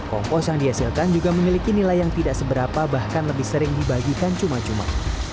kompos yang dihasilkan juga memiliki nilai yang tidak seberapa bahkan lebih sering dibagikan cuma cuma